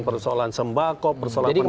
persoalan sembako persoalan penegakan hukum